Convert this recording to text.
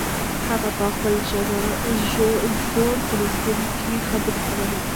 هغه په خپل زوړ تلیفون کې خبرې کولې.